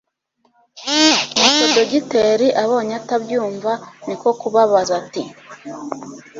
Nuko dogiteri abonye atabyumva niko kubabaza ati